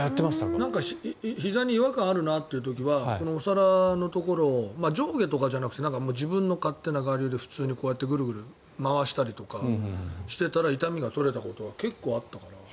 なんか、ひざに違和感があるなという時はお皿のところを上下とかじゃなくて自分の勝手な我流で、普通にグルグル回したりとかしてたら痛みが取れたことは結構あった。